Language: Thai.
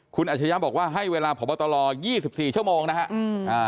คุณอัชยะบอกว่าให้เวลาพบตร๒๔ชั่วโมงนะครับ